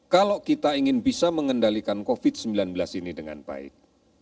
kalau kita ingin bisa mengendalikan covid sembilan belas ini dengan baik